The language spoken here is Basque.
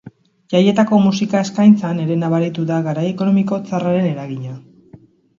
Jaietako musika eskaintzan ere nabaritu da garai ekonomiko txarraren eragina.